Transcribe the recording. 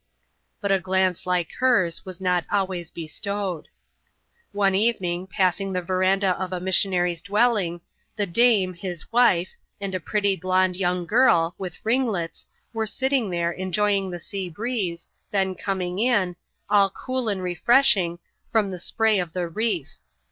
But a glance, like hers, was not always bestowed. One evening, passing the verandah of a missionary's dwell ing, the dame, his wife, and a pretty blond young girl, with ringlets, were sitting there, enjoying the sea breeze, then coming in, all cool and refreshing, from the spray of the reef.